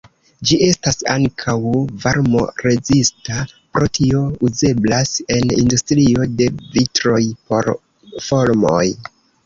Ĝi estas ankaŭ varmo-rezista, pro tio uzeblas en industrio de vitroj por fornoj.